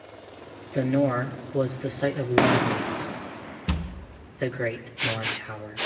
The Nore was the site of one of these, the Great Nore Tower.